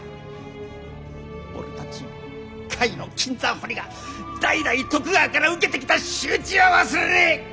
俺たち甲斐の金山堀りが代々徳川から受けてきた仕打ちは忘れねえ！